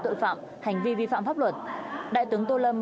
tội phạm hành vi vi phạm pháp luật đại tướng tô lâm